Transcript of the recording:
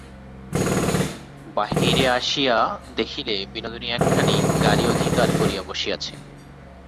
বাহিরে আসিয়া দেখিলে, বিনোদিনী একখানি গাড়ি অধিকার করিয়া বসিয়াছে।